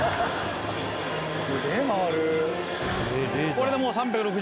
これでもう。